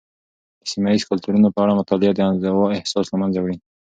د سيمه یيزو کلتورونو په اړه مطالعه، د انزوا احساس له منځه وړي.